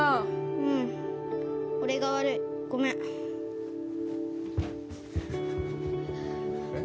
うん俺が悪いごめんえっ